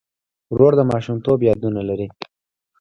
ورور د ماشومتوب یادونه لري.